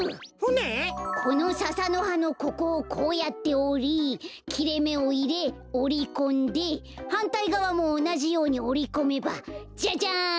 この笹のはのここをこうやっておりきれめをいれおりこんではんたいがわもおなじようにおりこめばジャジャン！